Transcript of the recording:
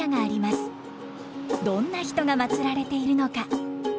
どんな人がまつられているのか。